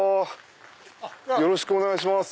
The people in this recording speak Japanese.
よろしくお願いします。